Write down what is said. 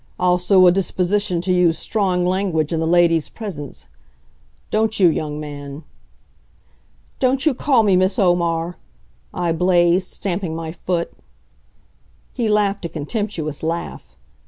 Also a disposition to use strong language in the lady's presence. Don't you, young man!" "Don't you call me Miss Omar!" I blazed, stamping my foot. He laughed a contemptuous laugh.